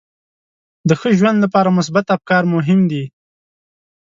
د ښه ژوند لپاره مثبت افکار مهم دي.